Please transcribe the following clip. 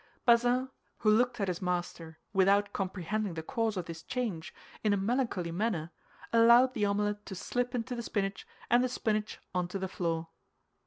Bazin, who looked at his master, without comprehending the cause of this change, in a melancholy manner, allowed the omelet to slip into the spinach, and the spinach onto the floor.